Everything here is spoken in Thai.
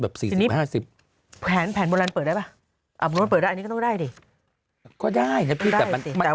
แบบ๔๐๕๐แผนโบราณเปิดได้ป่ะอันนี้ได้ดิก็ได้ได้แต่มันแต่